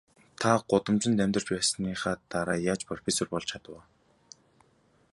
Та гудамжинд амьдарч байсныхаа дараа яаж профессор болж чадав аа?